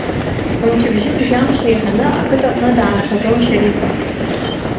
Мчыбжьык-жәамш еиҳаны ақыҭаҟны даанхаӡом Шьарифа.